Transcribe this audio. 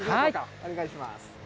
お願いします。